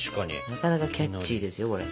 なかなかキャッチーですよこれ。